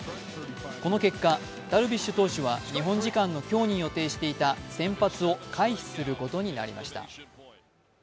この結果、ダルビッシュ投手は日本時間の今日に予定していた先発を回避することになりました。